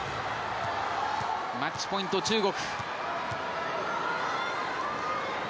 マッチポイント中国。